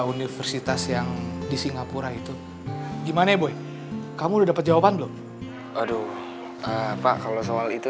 universitas yang di singapura itu gimana boy kamu udah dapat jawaban belum aduh pak kalau soal itu